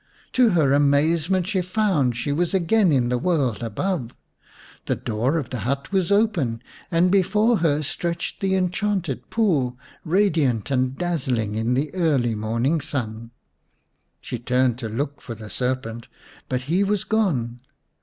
To her amazement she found she was again in the world above. The door of the hut was open, and before her stretched the enchanted pool, radiant and dazzling in the early morning sun. She turned to look for the serpent, but he was gone.